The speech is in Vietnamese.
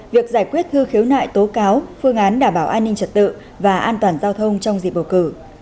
việc giải quyết thư khiếu nại tố cáo phương án đảm bảo an ninh trật tự và an toàn giao thông trong dịp bầu cử